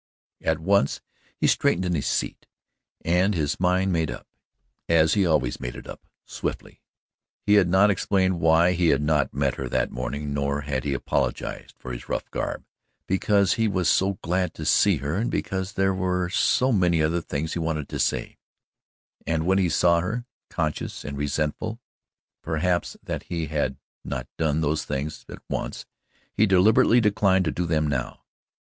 At once he straightened in his seat, and his mind made up, as he always made it up swiftly. He had not explained why he had not met her that morning, nor had he apologized for his rough garb, because he was so glad to see her and because there were so many other things he wanted to say; and when he saw her, conscious and resentful, perhaps, that he had not done these things at once he deliberately declined to do them now.